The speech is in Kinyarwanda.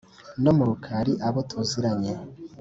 No mu Rukari abo tuziranye